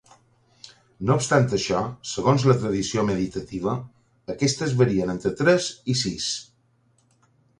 No obstant això, segons la tradició meditativa, aquestes varien entre tres i sis.